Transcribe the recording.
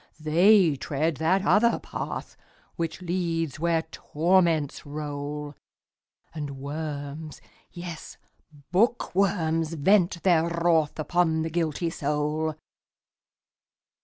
they tread that other path, Which leads where torments roll, And worms, yes, bookworms, vent their wrathUpon the guilty soul.